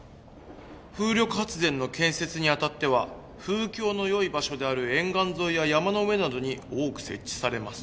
「風力発電の建設にあたっては風況の良い場所である沿岸沿いや山の上などに多く設置されます」